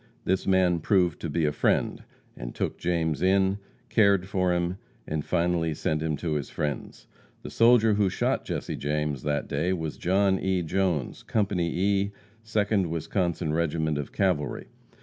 This man proved to be a friend, and took James in, cared for him, and finally sent him to his friends. The soldier who shot Jesse James that day was John E. Jones, Company E., Second Wisconsin regiment of cavalry.